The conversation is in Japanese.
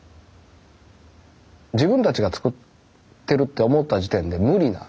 自分たちが造ってるって思った時点で無理なんです。